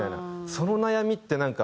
その悩みってなんか。